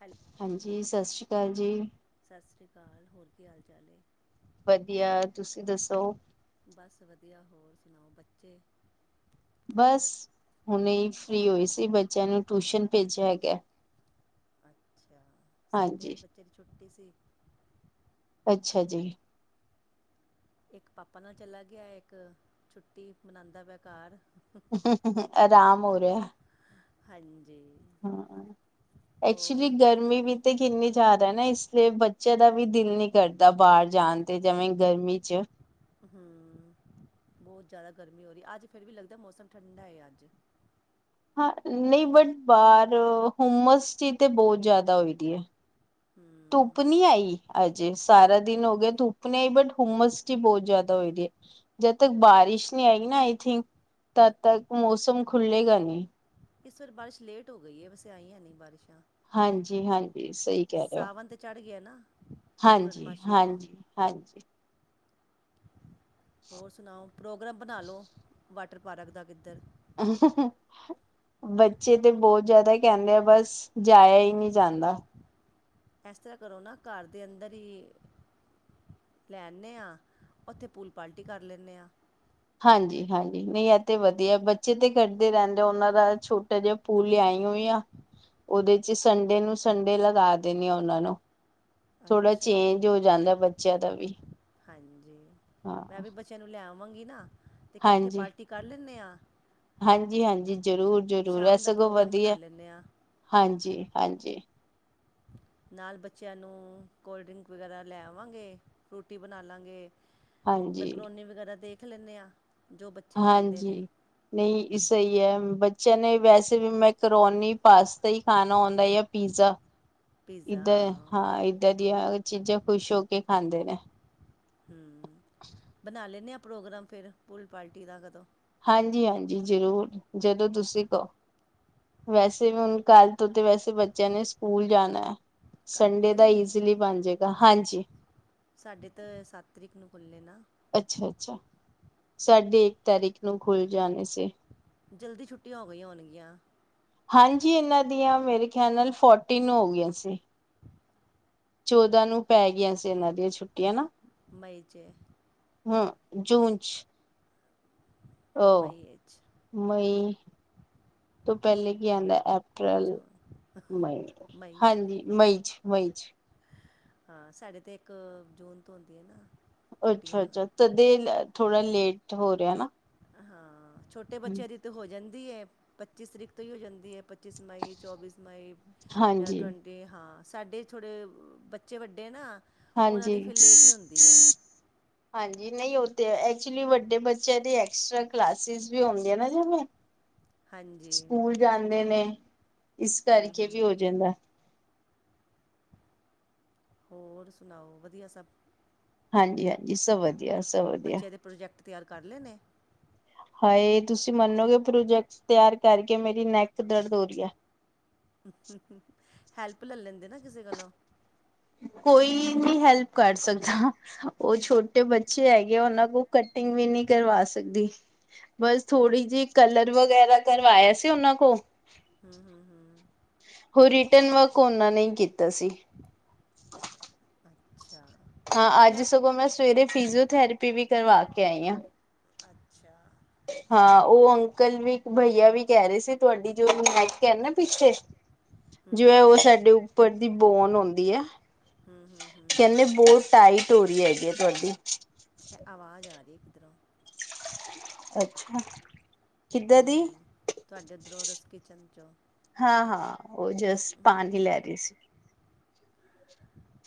ਹੈਲ ਹਾਂਜੀ ਸਤਿ ਸ੍ਰੀ ਅਕਾਲ ਜੀ। ਸਤਿ ਸ਼੍ਰੀ ਅਕਾਲ ਹੋਰ ਕੀ ਹਾਲ ਚਾਲ ਹੈ। ਵਧੀਆ, ਤੁਸੀਂ ਦੱਸੋ? ਬਸ ਵਧੀਆ, ਹੋਰ ਸੁਣਾਓ ਬੱਚੇ। ਬਸ, ਹੁਣੇ ਫ੍ਰਰੀ ਹੋਈ ਸੀ ਬੱਚਿਆਂ ਨੂੰ ਟਿਊਸ਼ਨ ਭੇਜਿਆ ਹੈਗਾ। ਅੱਛਾ, ਸਾਡੇ ਅੱਜ ਹਾਂਜੀ ਬੱਚੇ ਦੀ ਛੁੱਟੀ ਸੀ। ਅੱਛਾ ਜੀ। ਇੱਕ ਪਾਪਾ ਨਾਲ ਚਲਾ ਗਿਆ। ਇੱਕ ਛੁੱਟੀ ਮਣਾਦਾ ਪਿਆ ਘਾਰ। ਆਰਾਮ ਹੋ ਰਿਹਾ। ਹਾਂਜੀ ਹਾਂ ਐਕਚੁਲੀ ਹੋਰ ਗਰਮੀ ਵੀ ਤੇ ਕਿੰਨੀ ਜ਼ਿਆਦਾ ਨਾ ਇਸ ਲਈ ਬੱਚਿਆਂ ਦਾ ਵੀ ਦਿਲ ਨੀ ਕਰਦਾ ਬਾਹਰ ਜਾਣ ਤੇ ਜਿਵੇਂ ਗਰਮੀ ਚ। ਹੂੰ, ਬਹੁਤ ਜ਼ਿਆਦਾ ਗਰਮੀ ਹੋ ਰਹੀ, ਅੱਜ ਫਿਰ ਵੀ ਲੱਗਦਾ ਮੌਸਮ ਠੰਡਾ ਐ ਅੱਜ। ਹਾਂ, ਨਈ ਬਟ ਬਾਹਰ ਹੁੰਮਸ ਜਿਹ ਤੇ ਬਹੁਤ ਜ਼ਿਆਦਾ ਹੋਈ ਦੀ ਐ। ਹਮ ਧੁੱਪ ਨਈ ਆਈ, ਅਜੇ ਸਾਰਾ ਦਿਨ ਹੋ ਗਿਆ ਧੁੱਪ ਨੀ ਆਈ ਬਟ ਹੁੰਮਸ ਬਹੁਤ ਜ਼ਿਆਦਾ ਹੋਏ ਦੀ ਐ। ਜੱਦ ਤੱਕ ਬਾਰਿਸ਼ ਨੀ ਆਏਗੀ ਨਾ, ਆਈ ਥਿੰਕ ਤਦ ਤੱਕ ਮੌਸਮ ਖੁੱਲ੍ਹੇਗਾ ਨੀ। ਇਸ ਵਾਰ ਬਾਰਿਸ਼ ਲੇਟ ਹੋ ਗਈ ਏ ਵੈੇਸੇ ਆਈਆਂ ਨਈ ਬਾਰਿਸ਼ਾਂ ਹਾਂਜੀ-ਹਾਂਜੀ, ਸਹੀ ਕਹਿ ਰਹੇ ਹੋ, ਸਾਵਨ ਤੇ ਚੜ੍ਹ ਗਿਆ ਨਾ ਪੂਰਨਮਾਸ਼ੀ ਤੋਂ ਹਾਂਜੀ-ਹਾਂਜੀ। ਹਾਂਜੀ। ਹੋਰ ਸੁਣਾਓ, ਪ੍ਰੋਗਰਾਮ ਬਣਾ ਲਉ, ਵਾਟਰ ਪਾਰਕ ਦਾ ਕਿੱਧਰ [inaudible] ਬੱਚੇ ਤੇ ਬਹੁਤ ਜਿਆਦਾ ਕਹਿੰਦੇ ਆ, ਬਸ ਜਾਇਆ ਹੀ ਨੀ ਜਾਂਦਾ। ਏਸ ਤਰ੍ਹਾਂ ਕਰੋ ਨਾ ਘਰ ਦੇ ਅੰਦਰ ਹੀ ਲੈ ਆਨੇ ਆ, ਉੱਥੇ ਪੂਲ ਪਾਲਟੀ ਕਰ ਲੈਂਣੇ ਆ। ਹਾਂਜੀ-ਹਾਂਜੀ ਨਈ ਇਹ ਤੇ ਵਧੀਆ, ਬੱਚੇ ਤੇ ਕਰਦ ਰਹਿੰਦੇ, ਉਹਨਾਂ ਦਾ ਛੋਟਾ ਜਿਹਾ ਪੂਲ ਲਿਆਈ ਹੋਈ ਆ, ਉਹਦੇ ਚ ਸੰਡੇ ਨੂੰ ਸੰਡੇ ਲਗਾ ਦੇਣੇ ਆ ਉਹਨਾਂ ਨੂੰ ਥੋੜਾ ਅੱਛਾ ਚੇਂਜ ਹੋ ਜਾਂਦਾ ਬੱਚਿਆਂ ਦਾ ਵੀ, ਹਾਂਜੀ ਮੈਂ ਹਾਂ। ਵੀ ਬੱਚਿਆਂ ਨੂੰ ਲੈ ਆਵਾਂਗੀ ਨਾ ਤੇ ਕੱਠੇ ਪਾਰਟੀ ਕਰ ਲੈਂਣੇ ਆ। ਹਾਂਜੀ-ਹਾਂਜੀ, ਜ਼ਰੂਰ-ਜ਼ਰੂਰ ਇਹ ਸਗੋਂ ਪ੍ਰੋਗਰਾਮ ਬਣਾ ਵਧੀਆ ਲੈਂਦੇ ਹਾਂ ਹਾਂਜੀ-ਹਾਂਜੀ। ਨਾਲ ਬੱਚਿਆਂ ਨੂੰ ਕੋਲਡ ਡਰਿੰਕ ਵਗੈਰਾ ਲੈ ਆਵਾਂਗੇ, ਫਰੂਟੀ ਬਣਾ ਲਾਂਗੇ। ਹਾਂਜੀ, ਮੈਂਕੋਨੀੇ ਵਗੈਰਾ ਦੇਖ ਲੈਂਣੇ ਆ। ਹਾਂਜੀ। ਨਹੀਂ ਸਹੀ ਐ, ਬੱਚਿਆਂ ਨੇ ਵੈਸੇ ਵੀ ਮੈਕਰੋਨੀ, ਪਾਸਤਾ ਹੀ ਖਾਣਾ ਹੁੰਦਾ ਐ। ਪੀਜ਼ਾ, ਇੱਧਾਂ ਹਾਂ ਇੱਦਾਂ ਦੀਆਂ ਚੀਜ਼ਾਂ ਖੁਸ਼ ਹੋ ਕੇ ਖਾਂਦੇ ਨੇ। ਹੂੰ ਬਣਾ ਲੈਂਦੇ ਹਾਂ ਪ੍ਰੋਗਰਾਮ ਫਿਰ ਪੂਰੀ ਪਾਰਟੀ ਦਾ ਕਦੋਂ। ਹਾਂਜੀ-ਹਾਂਜੀ, ਜ਼ਰੂਰ ਜਦੋਂ ਤੁਸੀਂ ਕਹੋ, ਵੈਸੇ ਵੀ ਹੁਣ ਕੱਲ ਤੇ ਵੈਸੇ ਬੱਚਿਆਂ ਨੇ ਸਕੂਲ ਜਾਣਾ, ਕੱਲ੍ਹ ਸੰਡੇ ਖੁੱਲ੍ਹ ਦਾ ਗਏ ਨੇ ਈਜ਼ਲੀ ਬਣ ਜਾਏਗਾ ਹਾਂਜੀ। ਸਾਡੇ ਤਾਂ ਸੱਤ ਤਰੀਕ ਨੂੰ ਖੁੱਲ੍ਹੇ ਨਾ ਅੱਛਾ-ਅੱਛਾ, ਸਾਢੇ ਇੱਕ ਤਾਰੀਖ ਨੂੰ ਖੁੱਲ ਜਾਣੇ ਸੀ। ਜਲਦੀ ਛੁੱਟਟੀ ਹੋ ਗਈ ਹੋਨਗੀਆਂ। ਹਾਂਜੀ, ਇਹਨਾਂ ਦੀਆਂ ਮੇਰੇ ਖਿਆਲ ਨਾਲ ਫੋਰਟੀ ਨੂੰ ਹੋ ਗਈਆਂ ਸੀ। ਚੌਦਾਂ ਨੂੰ ਪੈ ਗਈਆਂ ਸੀ, ਇਹਨਾਂ ਦੀਆਂ ਛੁੱਟੀਆਂ ਨਾ। ਮਈ 'ਚ ਹੂੰ, ਜੂਨ ਚ ਉਹ ਮਈ ਵਿੱਚ ਮਈ ਤੋਂ ਪਹਿਲੇ ਕੀ ਆਂਦਾ ਅਪ੍ਰੈਲ, ਜੂਨ ਮਈ ਮਈ ਹਾਂਜੀ ਮਈ ਚ, ਮਈ ਚ। ਹਾਂ ਸਾਡੇ ਤੇ ਇੱਕ ਜੂਨ ਤੋਂ ਹੁੰਦੀਆਂ ਏ ਨਾ ਛੁੱਟੀਆਂ ਅੱਛਾ-ਅੱਛਾ, ਤਦੇ ਥੋੜਾ ਲੇਟ ਹੋ ਰਿਹਾ ਨਾ ਹਾਂ, ਛੋਟੇ ਬੱਚਿਆਂ ਦੀ ਤਾਂ ਹੋ ਜਾਂਦੀ ਐ, ਪੱਚੀ ਤਰੀਕ ਤੋਂ ਹੀ ਹੋ ਜਾਂਦੀ ਐ। ਪੱਚੀਸ ਮਈ, ਚੌਬੀਸ ਮਈ, ਜਾਂ ਹਾਂਜੀ। ਟਵ ਤੇ ਹਾਂ ਸਾਡੇ ਥੋੜ੍ਹੇ ਬੱਚੇ ਵੱਡੇ ਨਾ ਉਹਨਾਂ ਹਾਂਜੀ। ਦੀ ਫਿਰ ਲੇਟ ਹੀ ਹੁੰਦੀ ਹੈ ਹਾਂਜੀ, ਨਈ ਉ ਤੇ ਏ ਐਕਚੁਲੀ ਵੱਡੇ ਬੱਚਿਆਂ ਦੇ ਐਕਸਟਰਾ ਕਲਾਸਿਸ ਵੀ ਹੁੰਦੀਆਂ ਨਾ ਜਿਵੇਂ ਹਾਂਜੀ ਸਕੂਲ ਜਾਂਦੇ ਨੇ, ਇਸ ਹੂੰ ਕਰਕੇ ਵੀ ਹੂੰ ਹੋ ਜਾਂਦਾ। ਹੋਰ ਸੁਣਾਓ ਵਧੀਆ ਸਭ। ਹਾਂਜੀ, ਹਾਂਜੀ ਸਭ ਵਧੀਆ, ਸਭ ਵਧੀਆ। ਬੱਚਿਆਂ ਦੇ ਪ੍ਰੋਜੈਕਟ ਤਿਆਰ ਕਰ ਲੈਂ ਨ ਹਾਏ, ਤੁਸੀਂ ਮੰਨੋਗੇ ਪ੍ਰੋਜੈਕਟ ਤਿਆਰ ਕਰਕੇ ਮੇਰੀ ਨੈਕ ਦਰਦ ਹੋ ਰਹੀ ਹੈ ਹੈਲਪ ਲੈ ਲੈਂਦੇ ਨਾ ਕਿਸੇ ਕੋਲੋਂ ਕੋਈ ਨਹੀਂ ਹੈਲਪ ਕਰ ਸਕਦਾ ਉਹ ਛੋਟੇ ਬੱਚੇ ਹੈਗੇ ਆ ਉਹਨਾਂ ਕੋਲ ਕਟਿੰਗ ਵੀ ਨਹੀਂ ਕਰਵਾ ਸਕਦੀ ਬਸ ਥੋੜੀ ਜਿਹੀ ਕਲਰ ਵਗੈਰਾ ਕਰਵਾਇਆ ਸੀ, ਉਹਨਾਂ ਕੋ ਹਮ, ਹਮ, ਹਮ ਉਹ ਰਿਟਨ ਵਰਕ ਉਹਨਾਂ ਨੇ ਕੀਤਾ ਸੀ ਅੱਛਾ, ਹਾਂ ਮੈਂ ਅੱਜ ਸਗੋਂ ਸਵੇਰੇ ਫਿਜ਼ਓਥੈਰੇਪੀ ਵੀ ਕਰਵਾ ਕੇ ਆਈ ਹਾਂ ਅੱਛਾ। ਹਾਂ ਉਹ ਅੰਕਲ ਵੀ ਭਈਆ ਵੀ ਕਹਿ ਰਹੇ ਸੀ। ਤੁਹਾਡੀ ਜੋ ਨੇਕ ਹੈ ਨਾ ਪਿੱਛੇ ਹੂੰ ਜੋ ਹੈ ਹੂੰ ਉਹ ਹੂੰ ਸਾਡੇ ਉੱਪਰ ਦੀ ਬੋਨ ਔਦੀ ਹੈ। ਹੂੰ ਹੂੰ ਹੂੰ ਕਹਿੰਦੇ ਬਹੁਤ ਟਾਈਟ ਹੋਰੀ ਹੈਗੀ ਹੈ। ਤੁਹਾਡੀ ਤੇ ਆਵਾਜ਼ ਆ ਰਹੀ ਹੈ। ਕਿੱਧਰੋਂ ਅੱਛਾ। ਕਿੱਦਾਂ ਦੀ ਤੁਹਾਡੇੱ ੳਧਰੋਂ ਰਸ ਕਿਚਨ ਚੋਂ ਹਾਂ-ਹਾਂ ਉਹ ਜਸਟ ਪਾਣੀ ਲੈ ਰਹੀ ਸੀ।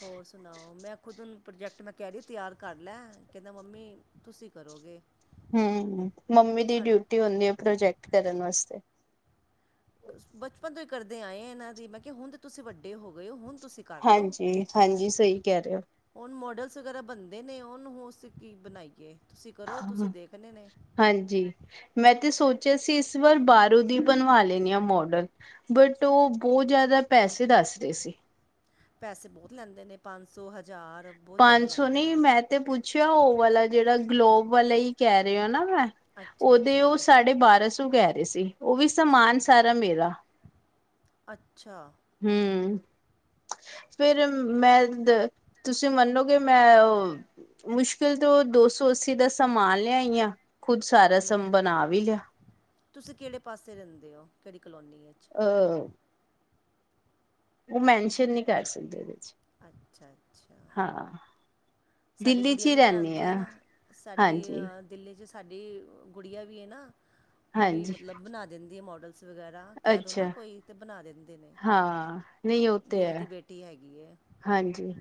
ਹੋਰ ਸੁਣਾਓ। ਮੈਂ ਖੁਦ ਹ ਪ੍ਰੋਜੈਕਟ ਮੈਂ ਕਹਿ ਰਹੀ ਤਿਆਰ ਕਰ ਲੈ। ਕਹਿੰਦਾ ਮੰਮੀ ਤੁਸੀਂ ਕਰੋਗੇ। ਹਮ ਮੰਮੀ ਦੀ ਸਾ ਡਿਊਟੀ ਹੁੰਦੀ ਹੈ। ਪ੍ਰੋਜੈਕਟ ਕਰਨ ਵਸਤੇ। ਬਚਪਨ ਤੋਂ ਹੀ ਕਰਦੇ ਆਏ ਇਹਨਾਂ ਦੀ। ਮੈਂ ਕਿਹਾ ਹੁਣ ਤੇ ਤੁਸੀਂ ਵੱਡੇ ਹੋ ਗਏ ਹੋ ਹੁਣ ਤੁਸੀਂ ਕਰ ਹਾਂਜੀ, ਹਾਂਜੀ ਸਹੀ ਕਹਿ ਰਹੇ ਹੋ ਉਹ ਮੋਡਲਸ ਵਗੈਰਾ ਬਣਦੇ ਨੇ ਉਹਨੂੰ ਕੀ ਬਣਾਈਏ ਤੁਸੀਂ ਕਰੋ ਤੁਸੀਂ ਹੋ ਦੇਖਣੇ ਨੇ ਹਾਂਜੀ, ਮੈਂ ਤੇ ਸੋਚਿਆ ਸੀ ਇਸ ਵਾਰ ਬਾਰੋਂ ਦੀ ਬਣਵਾ ਲੈਨੀ ਆ ਮੋਡਲ ਬਟ ਉਹ ਬਹੁਤ ਜ਼ਿਆਦਾ ਪੈਸੇ ਦੱਸ ਰਹੇ ਸੀ, ਪੈਸੇ ਬਹੁਤ ਲੈਂਦੇ ਨੇ, ਪੰਜ ਸੌ ਹਜ਼ਾਰ, ਬਹੁਤ ਜ਼ਿਆਦਾ ਪੰਜ ਸੌ ਲੈਂਦੇ ਨਹੀਂ ਨੇ ਮੈਂ ਤੇ ਪੁੱਛਿਆ ਉਹ ਵਾਲਾ ਜਿਹੜਾ ਗਲੋਬ ਵਾਲਾ ਹੀ ਕਹਿ ਰਹੇ ਹੋ ਨਾ ਮੈਂ ਅੱਛਾ ਉਹਦੇ ਉਹ ਅੱਛਾ ਸਾਢੇ ਬਾਰਾਂ ਸੌ ਕਹਿ ਰਹੇ ਸੀ, ਉਹ ਵੀ ਸਮਾਨ ਸਾਡੇ ਸਾਰਾ ਮੇਰਾ ਅੱਛਾ ਹਮ ਫਿਰ ਮੈਂ ਤੁਸੀਂ ਮੰਨੋਗੇ ਮੈਂ ਔ ਮੁਸ਼ਕਿਲ ਤੋਂ ਦੋ ਸੌ ਅੱਸੀ ਦਾ ਸਮਾਨ ਲਿਆਈ ਆ, ਖੁੱਦ ਸਾਰਾ ਸਮ ਹੂੰ ਬਣਾ ਵੀ ਲਿਆ ਤੁਸੀਂ ਕਿਹੜੇ ਪਾਸੇ ਰਹਿੰਦੇ ਹੋ, ਕਿਹੜੀ ਕਲੋਨੀ ਵਿੱਚ ਅ ਉਹ ਮੈਨਸ਼ਨ ਨਹੀਂ ਕਰ ਸਕਦੇ ਉਹਦੇ ਚ ਅੱਛਾ-ਅੱਛਾ। ਹਾਂ ਸਾਡੀ ਦਿੱਲੀ ਚ ਗੁੜੀਆਂ ਹੀ ਵੀ ਰਹਿੰਦੀ ਬਣਾਉਂਦੀਆਂ ਆ ਨਾ। ਸਾਡੀ ਹਾਂਜੀ ਦਿੱਲੀ ਚ ਸਾਡੀ ਗੁੜੀਆਂ ਵੀ ਹੈ ਨਾ ਉਹ ਵੀ ਹਾਂਜੀ ਮਤਲਬ ਬਣਾ ਦਿੰਦੀ ਆ ਮੋਡਲਸ ਵਗੈਰਾ ਕਹਿ ਦੋ ਨਾ ਅੱਛਾ ਕੋਈ, ਤੇ ਬਣਾ ਦਿੰਦੇ ਨੇ। ਹਾਂ ਨਹੀਂ ਉਹ ਤੇ ਦੀਦੀ ਦੀ ਹੈ ਬੇਟੀ ਹੈਗੀ ਇਹ। ਹਾਂਜੀ।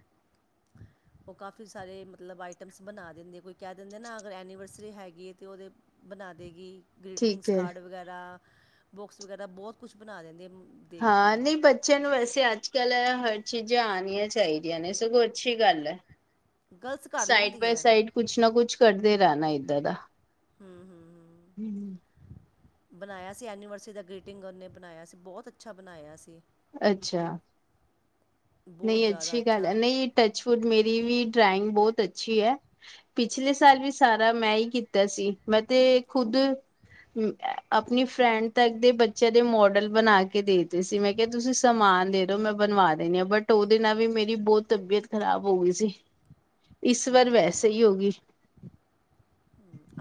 ਉਹ ਕਾਫੀ ਕਫੀ ਸਾਰੇ ਮਤਲਬ ਆਈਟਮਸ ਬਣਾ ਦਿੰਦੇ, ਕੋਈ ਕਹਿ ਦਿੰਦੇ ਨਾ ਅਗਰ ਐਨੀਵਰਸਰੀ ਹੈਗੀ ਹੈ। ਤਾਂ ਉਹਦੇ ਬਣਾ ਦੇਗੀ। ਗਰੀਟਿੰਗਸ ਠੀਕ ਹੈ ਕਾਰਡ ਵਗੈਰਅ। ਬੁੱਕਸ ਵਗੈਰਾ। ਬਹੁਤ ਕੁਛ ਬਣਾ ਦਿੰਦੇ ਦੇਖ ਕੇ ਹਾਂ। ਉਹ ਨਹੀਂ ਪ ਬੱਚਿਆਂ ਨੂੰ ਵੈਸੇ ਅੱਜ ਕੱਲ ਹਰ ਚੀਜ਼ਾਂ ਆਉਣੀਆਂ ਚਾਹੀਦੀਆਂ ਨੇ। ਸਗੋਂ ਅੱਛੀ ਗੱਲ ਹੈ। ਗਰਲਸ ਕਰ ਸਾਈਡ ਬਾਏ ਲੈਂਦੀਆਂ ਸਾਈਡ ਕੁਛ ਨਾ ਕੁਛ ਕਰਦੇ ਰਹਿਣਾ ਇੱਦਾਂ ਦਾ। ਹਮ-ਹਮ। ਹਮ। ਬਣਾਯਾ ਸੀ ਐਨੀਵਰਸਰੀ ਦਾ ਗ੍ਰੀਟਿੰਗ ਉਹਨੇ ਬਨਾਯਾ ਸੀ ਬਹੁਤ ਅੱਛਾ ਬਣਾਯਾ ਸੀ। ਅੱਛਾ। ਬਹੁਤ ਨਹੀਂ ਜ਼ਿਆਦਾ ਅੱਛੀ ਗੱਲ ਹੈ ਅੱਛਾ ਨਹੀਂ ਟਚਵੁੱਡ ਮੇਰੀ ਵੀ ਡਰਾਇੰਗ ਬਹੁਤ ਅੱਛੀ ਹੈ। ਪਿਛਲੇ ਸਾਲ ਵੀ ਸਾਰਾ ਮੈਂ ਹੀ ਕੀਤਾ ਸੀ ਮੈਂ ਤੇ ਖੁਦ ਆਪਣੀ ਫਰੈਂਡ ਤੱਕ ਦੇ ਬੱਚਿਆਂ ਦੇ ਮੋਡਲ ਬਣਾ ਕੇ ਦੇਖਦੀ ਸੀ ਮੈਂ ਕੇ ਤੁਸੀ ਸਮਾਨ ਦੇ ਦੋ ਮੈਂ ਬਣਵਾ ਦੇਣੀ ਆ ਬਟ ਦੋ ਦਿਨ ਐਵੇਂ ਮੇਰੀ ਬਹੁਤ ਤਬੀਅਤ ਖ਼ਰਾਬ ਹੋਗੀ ਸੀ ਇਸ ਹੂੰ ਵਾਰ ਵੈਸੇ ਈ ਹੋਗੀ।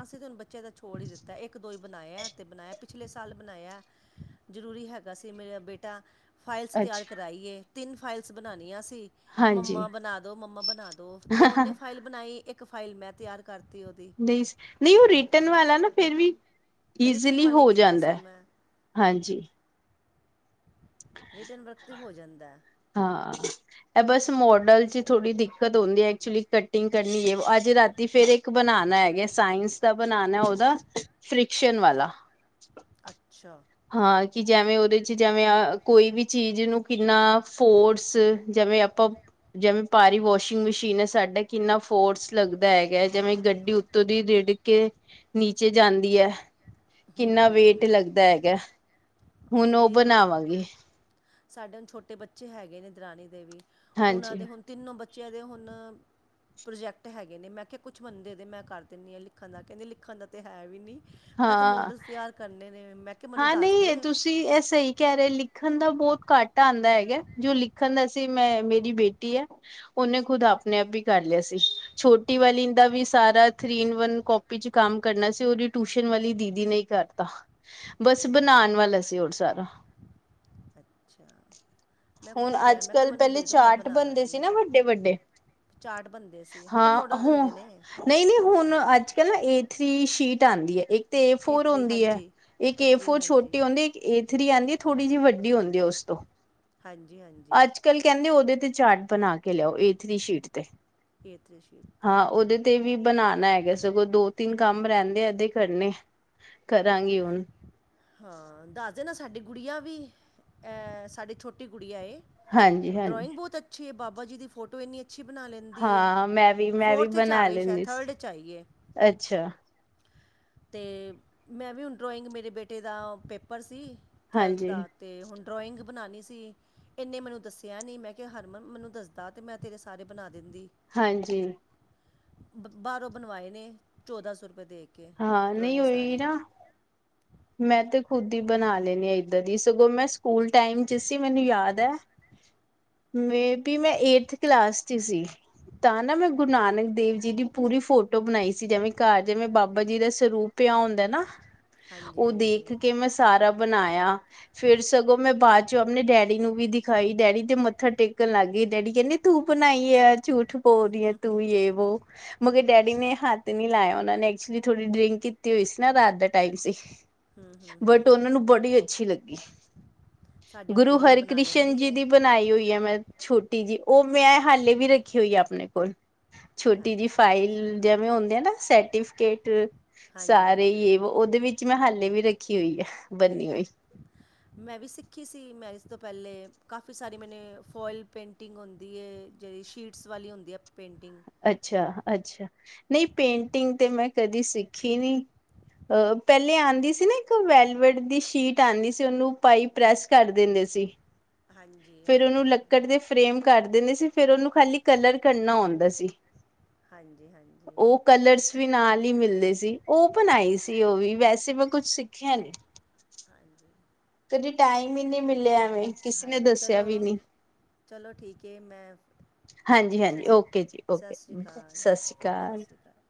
ਅਸੀ ਤਾਂ ਹੁਣ ਬੱਚਿਆਂ ਦਾ ਛੋੜ ਈ ਦਿੱਤਾ ਇੱਕ ਦੋ ਈ ਬਨਾਯਾ ਤੇ ਬਨਾਯਾ ਪਿਛਲੇ ਸਾਲ ਬਨਾਯਾ ਜ਼ਰੂਰੀ ਹੈਗਾ ਸੀ ਮੇਰਾ ਬੇਟਾ ਫਾਈਲਸ ਤਿਆਰ ਅੱਛਾ ਕਰਾਈ ਏ ਤਿੰਨ ਫਾਈਲਸ ਬਣਾਣੀਆਂ ਸੀਂ। ਹਾਂਜੀ ਮੰਮਾ ਬਣਾ ਦੋ ਮੰਮਾ ਬਣਾ ਦੋ, ਦੋ ਓਹਨੇ ਫਾਈਲ ਬਣਾਈ ਇੱਕ ਫਾਈਲ ਮੈਂ ਤਿਆਰ ਕਰਤੀ ਉਹਦੀ। ਨਹੀਂ, ਨਹੀਂ ਉਹ ਰਿਟਰਨ ਵਾਲਾ ਨਾ ਫੇਰ ਵੀ ਰਿਟਰਨ ਈਜ਼ਲੀ ਵਾਲਾ ਹੀ ਹੋ ਕੀਤਾ ਸੀ ਜਾਂਦਾ, ਮੈਂ ਹਾਂਜੀ। ਰਿਟਨ ਵਰਕ ਤੇ ਹੋ ਜਾਂਦਾ। ਹਾਂ ਅਹ ਬਸ ਮੋਡਲ ਚ ਥੋੜ੍ਹੀ ਦਿੱਕਤ ਹੁੰਦੀ ਏ ਐਕਚੁਲੀ ਕਟਿੰਗ ਕਰਨੀ ਏ ਅੱਜ ਰਾਤੀ ਫੇਰ ਇੱਕ ਬਨਾਣਾ ਹੈਗਾ ਸਾਇੰਸ ਦਾ ਬਣਾਨਾਂ ਉਹਦਾ। ਫ੍ਰਿਕਸ਼ਨ ਵਾਲਾ। ਅੱਛਾ। ਹਾਂ ਕਿ ਜੈਵੇਂ ਉਹਦੇ ਚ ਜੈਵੇਂ ਅ ਕੋਈ ਵੀ ਚੀਜ਼ ਨੂੰ ਕਿੰਨਾ ਫੋਰਸ ਜੈਵੇਂ ਆਪਾਂ ਜਿਵੇਂ ਭਾਰੀ ਵਾਸ਼ਿੰਗ ਮਸ਼ੀਨ ਸਾਡਾ ਕਿੰਨਾ ਫੋਰਸ ਲੱਗਦਾ ਹੈਗਾ ਜੈਵੈਂ ਗੱਡੀ ਉੱਤੋਂ ਦੀ ਰਿੜ ਕੇ ਨੀਚੇ ਜਾਂਦੀ ਹੈ ਹੂੰ ਕਿੰਨਾ ਹੂੰ ਵੇਟ ਹੂੰ ਲੱਗਦਾ। ਹਾਂ, ਹੁਣ ਉਹ ਮੇਰੀ ਬਣਾਵਾਂਗੇ। ਸਾਡੇ ਛੋਟੇ ਬੱਚੇ ਹੈਗੇ ਨੇ ਦਰਾਨੀ ਦੇ ਵੀ ਉਹਨਾਂ ਦੇ ਹਾਂਜੀ ਹੁਣ ਤਿੰਨੋਂ ਬੱਚਿਆਂ ਦੇ ਹੁਣ ਪ੍ਰੋਜੈਕਟ ਹੈਗੇ ਨੇ ਮੈਂ ਕਿਹਾ ਕੁਛ ਬੰਦੇ ਦੇ ਮੈਂ ਕਰ ਦੇਣੀ ਆਂ ਲਿਖਣ ਦਾ ਕਹਿੰਦੀ ਲਿਖਣ ਦਾ ਤੇ ਹੈ ਵੀ ਨੀ। ਐਹ ਤੇ ਹਾਂ ਮੋਡਲਸ ਤਿਆਰ ਕਰਨੇ ਨੇ ਮੈ ਹਾਂ ਨਹੀ ਏ ਤੁਸ ਤੇ ਅਹ ਸਹੀ ਕਹਿ ਰਹੇ ਲਿਖਣ ਦਾ ਬਹੁਤ ਘੱਟ ਆਂਦਾ ਹੈਗਾ ਜੋ ਲਿਖਣ ਦਾ ਸੀ ਮੈਂ ਮੇਰੀ ਬੇਟੀ ਹੈ ਉਹਨੇ ਖੁਦ ਆਪਣੇ ਆਪ ਹੀ ਕਰ ਲਿਆ ਸੀ ਛੋਟੀ ਵਾਲੀ ਦਾ ਵੀ ਸਾਰਾ ਥ੍ਰੀ ਇਨ ਵਨ ਕਾਪੀ ਚ ਕੰਮ ਕਰਨਾ ਸੀ ਉਹਦੀ ਟਿਊਸ਼ਨ ਵਾਲੀ ਦੀਦੀ ਨੇ ਈ ਕਰਤਾ। ਬਸ ਹਮ, ਬਣਾਣ ਵਾਲਾ ਸੀ ਔਹ ਸਾਰਾ ਅੱਛਾ। ਮੈਂ ਹੁਣ ਖੁਦ ਕਿਹਾ ਅੱਜ ਮੈਂ ਕਿਹਾ ਕੱਲ੍ਹ ਮੈਨੂੰ ਪਹਿਲੇ ਦੇ ਦਿਉ ਮੈਂ ਚਾਰਟ ਬਣਾ ਬਣਦੇ ਸੀ ਦਾਂਗੀ ਨਾ ਵੱਡੇ-ਵੱਡੇ ਚਾਰਟ ਬਣਦੇ ਸੀ ਹੁਣ ਤਾਂ ਹਾਂ ਮੋਡਲ ਹੁ ਦਿੰਦੇ ਨੇ ਨਹੀਂ-ਨਹੀਂ ਹੁਣ ਅੱਜ ਕੱਲ ਨਾ ਏ ਥ੍ਰੀ ਸ਼ੀਟ ਆਂਦੀ ਹੈ ਇੱਕ ਤੇ ਏ ਫੋਰ ਥਰੀ ਹੁੰਦੀ ਹੈ ਹਾਂਜੀ ਇੱਕ ਏ ਥਰੀ ਫੋਰ ਹਾਂਜੀ ਛੋਟੀ ਹੁੰਦੀ ਏਕ ਏ ਥ੍ਰੀ ਆਂਦੀ ਹੈ ਥੋੜੀ ਜਿ ਵੱਡੀ ਹੁੰਦੀ ਹੈ ਉਸ ਤੋਂ। ਹਾਂਜੀ-ਹਾਂਜੀ। ਕੱਲ ਕਹਿੰਦੇ ਉਹਦੇ ਤੇ ਚਾਰਟ ਬਣਾ ਕੇ ਲਿਆਓ ਏ ਥ੍ਰੀ ਸ਼ੀਟ ਤੇ। ਏ ਥ੍ਰੀ ਸ਼ੀਟ ਤੇ। ਹਾਂ ਉਹਦੇ ਤੇ ਵੀ ਬਣਾਣਾ ਹੈਗਾ ਸਗੋਂ ਦੋ ਤਿੰਨ ਕੰਮ ਹਮ ਰਹਿੰਦੇ ਅਹਦੇ ਕਰਨੇ ਕਰਾਂਗੀ ਹੁਣ। ਹਾਂ ਦੱਸ ਦੇਨਾ ਸਾਡੀ ਗੁੜੀਆ ਵੀ ਐਹ ਸਾਡੀ ਛੋਟੀ ਗੁੜਿਆ ਏ। ਹਾਂਜੀ ਹਾਂਜੀ ਡਰਾਇੰਗ ਬਹੁਤ ਅੱਛੀ ਏ ਬਾਬਾ ਜੀ ਦੀ ਫੋਟੋ ਇੰਨੀ ਅੱਛੀ ਬਣਾ ਲੈਂਦੀ ਏ ਹਾਂ ਮੈਂ ਵੀ ਮੈਂ ਵੀ ਫੋਰਥ 'ਚ ਆ ਬਣਾ ਗਈ ਸ਼ਾਇਦ ਲੈਂਦੀ ਸੀ ਥਰਡ 'ਚ ਆਈ ਏ। ਅੱਛਾ ਤੇ ਮੈਂ ਵੀ ਹੁਣ ਡਰਾਇੰਗ ਮੇਰੇ ਬੇਟੇ ਦਾ ਪੇਪਰ ਸੀ ਟਵੈਲਥ ਹਾਂਜੀ ਦਾ ਤੇ ਹੁਣ ਡਰੋਇੰਗ ਬਣਾਣੀ ਸੀ। ਇਨੇ ਮੈਨੂੰ ਦੱਸਿਆ ਨੀ ਮੈਂ ਕਿਹਾ ਹਰਮਨ ਮੈਨੂੰ ਦੱਸਦਾ ਤੇ ਮੈਂ ਤੇਰੇ ਸਾਰੇ ਬਣਾ ਦਿੰਦੀ। ਹਾਂਜੀ, ਬ ਬਾਹਰੋਂ ਬਣਵਾਏ ਨੇ, ਚੌਦਾਂ ਸੌ ਰੁਪਏ ਦੇ ਕੇ ਹਾਂ ਨਹੀਂ ਡਰੋਇੰਗ ਉਹੀ ਸਾਰੀ। ਨਾ [unintelligible] ਮੈਂ ਤੇ ਖੁੱਦ ਹੀ ਬਣਾ ਲੈਣੀ ਹਾਂ ਇੱਧਰ ਹੀ ਸਗੋਂ ਮੈਂ, ਸਕੂਲ ਟਾਈਮ ਚਿਸ ਸੀ ਮੈਨੂੰ ਯਾਦ ਹੈ, ਮੇ- ਵੀ ਮੈਂ ਏਠਥ ਕਲਾਸ ਚ ਸੀ, ਤਾਂ ਨਾ ਮੈਂ ਗੁਰੂ ਨਾਨਕ ਦੇਵ ਜੀ ਦੀ ਪੂਰੀ ਫੋਟੋ ਫੋਟੋ ਬਣਾਈ ਸੀ ਜਿਵੇਂ ਘਰ ਜਿਵੇਂ ਬਾਬਾ ਜੀ ਦਾ ਸਰੂਪ ਪਿਆ ਹੁੰਦਾ ਨਾ। ਹਾਂਜੀ ਉਹ ਹਾਂਜੀ ਦੇਖ ਕੇ ਮੈਂ ਸਾਰਾ ਬਣਾਇਆ। ਫੇਰ ਸਗੋਂ ਮੈਂ ਬਾਅਦ ਚੋਂ ਆਪਣੇ ਡੈਡੀ ਨੂੰ ਵੀ ਦਿਖਾਈ, ਡੈਡੀ ਤੇ ਮੱਥਾ ਟੇਕਣ ਲੱਗ ਗਏ ਡੈਡੀ ਕਹਿੰਦੇ। ਤੂੰ ਬਣਾਈ ਹੈ ਝੂਠ ਬੋਲ ਰਹੀ ਹੈ ਤੂੰ ਯ ਵੋ, ਮਗਰ ਡੈਡੀ ਨੇ ਹੱਥ ਨੀ ਲਾਇਆ, ਉਹ ਨੇ ਐਕਚੁਲੀ ਥੋੜ੍ਹੀ ਡਰਿੰਕ ਕੀਤੀ ਹੋਈ ਸੀ, ਨਾ ਰਾਤ ਦਾ ਟਾਈਮ ਸੀ। ਹੂੰ ਹੂੰ ਹੂੰ ਬਟ ਹੂੰ ਉਹਨਾਂ ਨੂੰ ਹੂੰ ਬੜੀ ਅੱਛੀ ਲੱਗੀ। ਸਾਡੀ ਹੁਣ ਗੁਰੂ ਗੁੜੀਆ ਬਣਾ ਹਰਿਕ੍ਰਿਸ਼ਨ ਲੈਂਦੀ ਜੀ ਹੈ ਦੀ ਬਣਾਈ ਹੋਈ ਹੈ ਮੈਂ, ਛੋਟੀ ਜਿ ਉਹ ਮੈਂ ਹਾਲੇ ਵੀ ਰੱਖੀ ਹੋਈ ਆ ਆਪਣੇ ਕੋਲ। ਛੋਟੀ ਜਿਹੀ ਅੱਛਾ ਅੱਛਾ ਫਾਈਲ ਜਿਵੇਂ ਹੁੰਦੇ ਆ ਨਾ ਸਰਟੀਫਿਕੇਟ ਹਾਂਜੀ ਸਾਰੇ ਹਾਂਜੀ ਹੀ ਉਹਦੇ ਵਿੱਚ ਮੈਂ ਹਾਲੇ ਵੀ ਰੱਖੀ ਹੋਈ ਆ, ਬੰਨੀ ਹੋਈ। [unintelligible] ਮੈਂ ਵੀ ਸਿੱਖੀ ਸੀ ਮੈਰਿਜ ਤੋਂ ਪਹਿਲੇ ਕਾਫੀ ਸਾਰੀ ਮੈਨੇ ਫੋਇਲ ਪੇਂਟਿੰਗ ਹੁੰਦੀ ਹੈ। ਜਿਹੜੀ ਸ਼ੀਟਸ ਵਾਲੀ ਹੁੰਦੀਆਂ ਪੇਂਟਿੰਗ। ਅੱਛਾ ਅੱਛਾ। ਨਹੀਂ ਪੇਂਟਿੰਗ ਤੇ ਮੈਂ ਕਦੀ ਸਿੱਖੀ ਨਹੀਂ। ਪਹਿਲੇ ਆਉਂਦੀ ਸੀ ਨਾ ਇੱਕ ਵੈਲਵੇਟ ਦੀ ਸ਼ੀਟ ਆਉਂਦੀ ਸੀ ਉਹਨੂੰ ਪਾਈ ਪ੍ਰੈਸ ਕਰ ਦਿੰਦੇ ਸੀ। ਹਾਂਜੀ। ਫੇਰ ਉਹਨੂੰ ਹਾਂਜੀ ਲੱਕੜ ਦੇ ਫਰੇਮ ਕਰ ਦਿੰਦੇ ਸੀ ਫੇਰ ਉਹਨੂੰ ਖਾਲੀ। ਕਲਰ ਕਰਨਾ ਆਉਂਦਾ ਸੀ, ਹਾਂਜੀ ਹਾਂਜੀ ਉਹ ਕਲਰ ਵੀ ਨਾਲ ਹੀ ਮਿਲਦੇ ਸੀ ਉਹ ਬਣਾਈ ਸੀ ਉਹ ਵੀ ਵੈਸੇ ਮੈਂ ਕੁੱਛ ਸਿੱਖਿਆ ਨੀ। ਹਾਂਜੀ। ਕਦੇ ਟਾਈਮ ਹੀ ਨਹੀਂੀ ਮਿਲਿਆ ਐਵੇਂ। ਕਿਸੇ ਨੇ ਹਾਂਜੀ ਦੱਸਿਆ ਚਲੋ, ਵੀ ਨੀ। ਚਲੋ ਠੀਕ ਹੈ ਮੈਂ, ਸ ਹਾਂਜੀ-ਹਾਂਜੀ ਸਤਿ ਓਕੇ ਜੀ ਓਕੇ ਸ਼੍ਰੀ ਅਕਾਲ ਸਤਿ ਸ਼੍ਰੀ ਅਕਾਲ। ਸਤਿ ਸ਼੍ਰੀ ਅਕਾਲ,